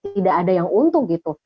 tidak ada yang untung gitu